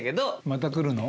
また来るの？